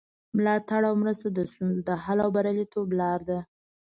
ملاتړ او مرسته د ستونزو د حل او بریالیتوب لاره ده.